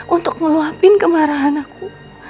untuk meluapin kemarahan aku